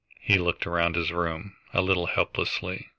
He looked around his room a little helplessly.